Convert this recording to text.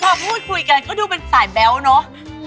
พอพูดคุยกันก็ดูเป็นสายแบ๊วเนอะ